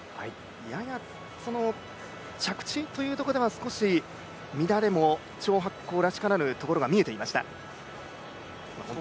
やや着地というところでは少し乱れも張博恒らしからぬところも見えていました。